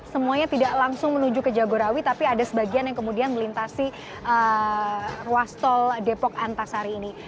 semuanya tidak langsung menuju ke jagorawi tapi ada sebagian yang kemudian melintasi ruas tol depok antasari ini